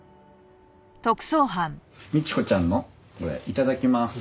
いただきます。